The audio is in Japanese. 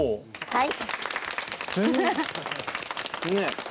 はい。